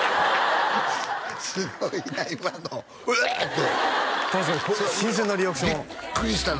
すごいな今の「えっ！？」って確かに新鮮なリアクションビックリしたの？